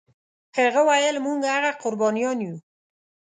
هغه ویل موږ هغه قربانیان یو.